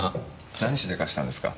何しでかしたんですか？